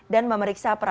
dan memeriksa prosesnya